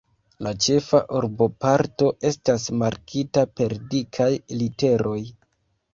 La ĉefa urboparto estas markita per dikaj literoj.